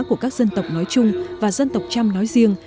của các dân tộc nói chung và dân tộc trăm nói riêng